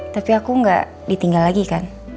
tapi aku nggak ditinggal lagi kan